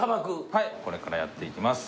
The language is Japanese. はいこれからやっていきます